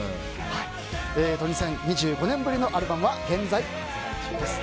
トニセン２５年ぶりのアルバムは現在、発売中です。